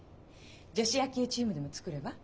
女子野球チームでも作れば？